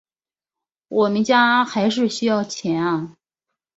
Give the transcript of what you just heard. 我们家还是需要钱啊